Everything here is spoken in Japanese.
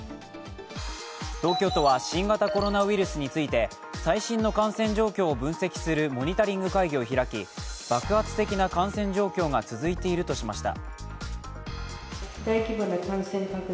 東京都は新型コロナウイルスについて最新の感染状況を分析するモニタリング会議を開き爆発的な感染状況が続いているとしました。